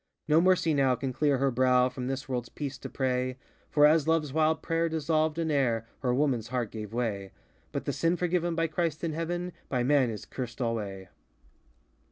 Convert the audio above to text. No mercy now can clear her brow From this worldŌĆÖs peace to pray For as loveŌĆÖs wild prayer dissolved in air, Her womanŌĆÖs heart gave way! ŌĆö But the sin forgiven by Christ in Heaven By man is cursed alway!